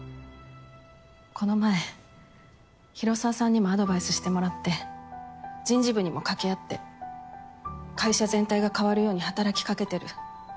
この前広沢さんにもアドバイスしてもらって人事部にも掛け合って会社全体が変わるように働きかけてる。